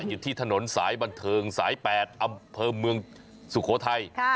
อยู่ที่ถนนสายบันเทิงสาย๘อำเภอเมืองสุโขทัย